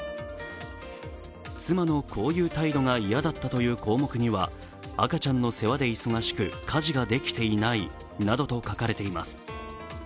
妻のこういう態度が嫌だったという項目には、赤ちゃんの世話で忙しく家事ができていないなどと書かれています。